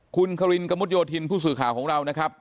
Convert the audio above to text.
คุณครินกระมุดโยธินผู้สื่อข่าวของเรานะครับ